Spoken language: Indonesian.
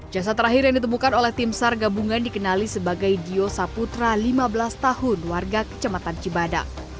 jasad terakhir yang ditemukan oleh timsar gabungan dikenali sebagai dio saputra lima belas tahun warga kejamatan cibadak